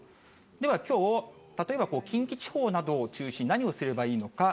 では、きょう、例えば近畿地方などを中心に何をすればいいのか。